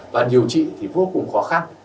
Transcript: và điều trị thì vô cùng khó khăn